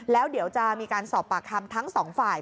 แล้วเดี๋ยวจะมีการสอบปากคำทั้งสองฝ่าย